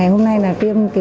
ngày hôm nay là tiêm